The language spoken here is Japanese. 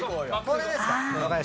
これですか？